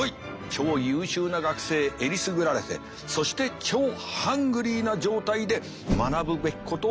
超優秀な学生えりすぐられてそして超ハングリーな状態で学ぶべきことを学んでいる状態。